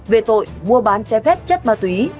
về tội mua bán chai phép chất ma túy